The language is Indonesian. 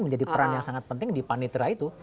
menjadi peran yang sangat penting di panitera itu